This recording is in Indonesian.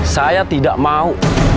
saya tidak mau